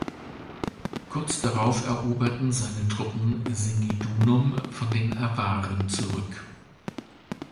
Kurz darauf eroberten seine Truppen Singidunum von den Awaren zurück.